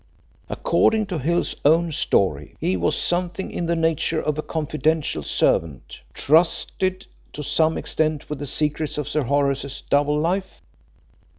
According to Hill's own story, he was something in the nature of a confidential servant, trusted to some extent with the secrets of Sir Horace's double life.